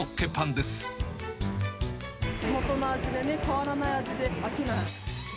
地元の味でね、変わらない味で飽きない。